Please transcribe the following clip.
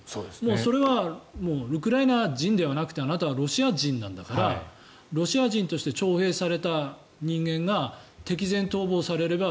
それはウクライナ人ではなくてあなたはロシア人なんだからロシア人として徴兵された人間が敵前逃亡されれば。